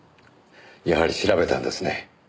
やはり調べたんですね。